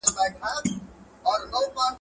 ښځه بايد د حيض ختمېدو سره سم څه وکړي؟